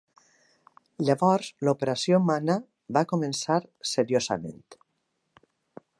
Llavors l'Operació Manna va començar seriosament.